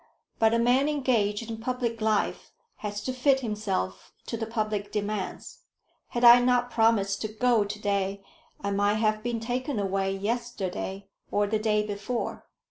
But a man engaged in public life has to fit himself to the public demands. Had I not promised to go to day, I might have been taken away yesterday or the day before."